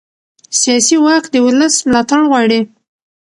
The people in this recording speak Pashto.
سیاسي واک د ولس ملاتړ غواړي